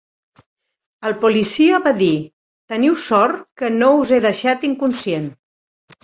El policia va dir: "teniu sort que no us he deixat inconscient!"